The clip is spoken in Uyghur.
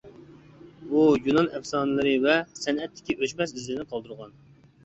ئۇ يۇنان ئەپسانىلىرى ۋە سەنئەتتىكى ئۆچمەس ئىزلىرىنى قالدۇرغان.